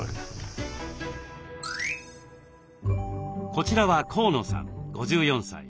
こちらは河野さん５４歳。